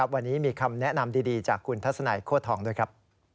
วันนี้มีคำแนะนำดีจากคุณทัศนัยโคตรทองด้วยครับ